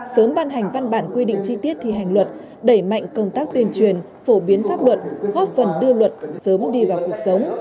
sớm ban hành văn bản quy định chi tiết thi hành luật đẩy mạnh công tác tuyên truyền phổ biến pháp luật góp phần đưa luật sớm đi vào cuộc sống